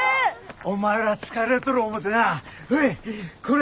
お前ら疲れとる思うてなほいこれ！